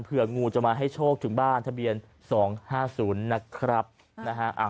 งูจะมาให้โชคถึงบ้านทะเบียน๒๕๐นะครับนะฮะ